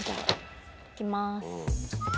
行きます。